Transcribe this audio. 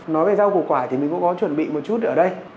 nói về rau củ quả thì mình cũng có chuẩn bị một chút ở đây